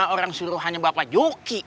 orang suruhannya bapak joki